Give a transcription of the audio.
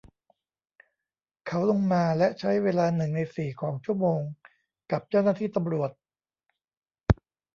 เขาลงมาและใช้เวลาหนึ่งในสี่ของชั่วโมงกับเจ้าหน้าที่ตำรวจ